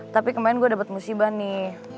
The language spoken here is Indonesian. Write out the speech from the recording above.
tapi kemarin gue dapet musibah nih